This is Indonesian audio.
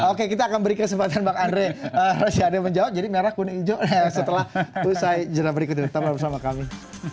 oke kita akan beri kesempatan bang andri rasyade menjawab jadi merah kuning hijau setelah itu saya jalan berikutnya tetap bersama kami